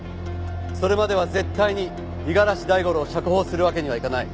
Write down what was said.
それまでは絶対に五十嵐大五郎を釈放するわけにはいかない。